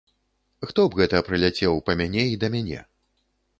Хто б гэта прыляцеў па мяне і да мяне?